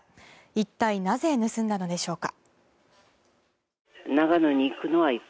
一体なぜ盗んだのでしょうか。